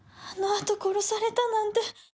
あの後殺されたなんて。